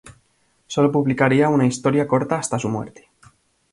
Sólo publicaría una historia corta hasta su muerte.